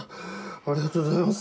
ありがとうございます。